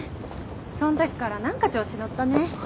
そのときから何か調子乗ったね。